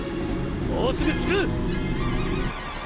もうすぐ着く！